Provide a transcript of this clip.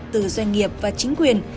từ doanh nghiệp và chính quyền